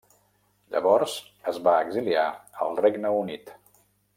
Llavors es va exiliar al Regne Unit.